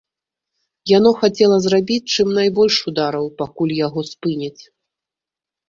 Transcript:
Яно хацела зрабіць чым найбольш удараў, пакуль яго спыняць.